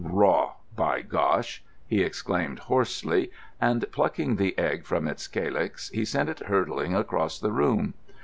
"Raw, by Gosh!" he exclaimed hoarsely; and plucking the egg from its calyx, he sent it hurtling across the room.